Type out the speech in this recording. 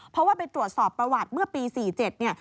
เพราะไปตรวจสอบประวัติเมื่อปี๑๙๔๗